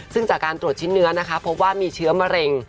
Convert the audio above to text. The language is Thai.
ซึ่งจากการตรวจชิ้นเนื้อนะคะพบว่ามีเชื้อมะเร็ง